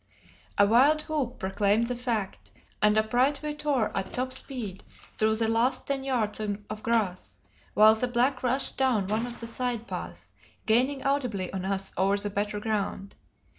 A wild whoop proclaimed the fact, and upright we tore at top speed through the last ten yards of grass, while the black rushed down one of the side paths, gaining audibly on us over the better ground.